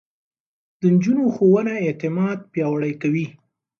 د نجونو ښوونه اعتماد پياوړی کوي.